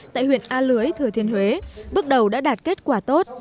tại huyện a lưới thừa thiên huế bước đầu đã đạt kết quả tốt